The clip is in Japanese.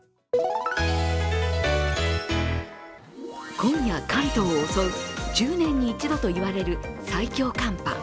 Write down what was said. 今夜、関東を襲う１０年に一度といわれる最強寒波。